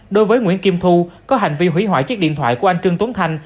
đối với nguyễn kim thu có hành vi hủy hoại chiếc điện thoại của anh trương tuấn thanh